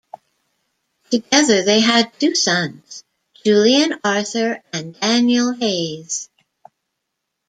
Together they had two sons, Julian Arthur and Daniel Hayes.